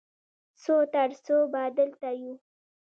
څو تر څو به دلته یو؟